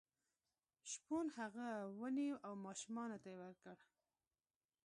شپون هغه ونیو او ماشومانو ته یې ورکړ.